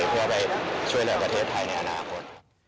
เพื่อไปช่วยเหลือประเทศไทยในอนาคต